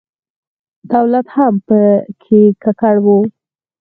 دولت هم په کې ککړ و.